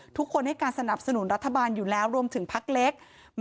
ทุกคนให้การสนับสนุนรัฐบาลอยู่แล้วรวมถึงพักเล็ก